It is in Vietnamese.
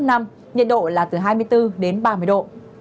nhiệt độ là từ hai mươi bốn đến ba mươi độ